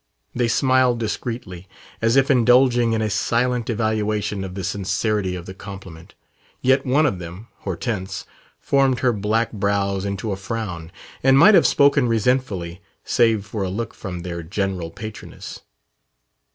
They smiled discreetly, as if indulging in a silent evaluation of the sincerity of the compliment. Yet one of them Hortense formed her black brows into a frown, and might have spoken resentfully, save for a look from their general patroness.